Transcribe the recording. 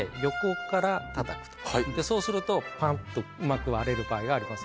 そうするとパンっとうまく割れる場合があります。